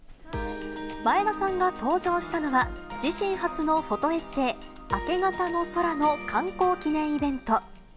前田さんが登場したのは、自身初のフォトエッセー、明け方の空の刊行記念イベント。